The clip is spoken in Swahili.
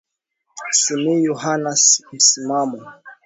Simuyu hana msimamo.